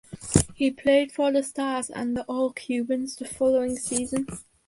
He played for the Stars and the All Cubans the following season.